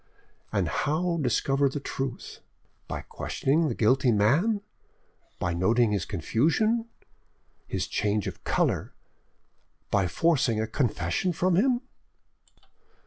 And how discover the truth—by questioning the guilty man, by noting his confusion, his change of colour, by forcing a confession from him?